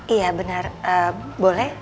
iya bener boleh